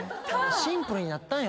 シンプルになったんよ